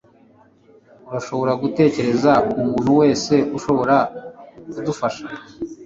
Urashobora gutekereza umuntu wese ushobora kudufasha?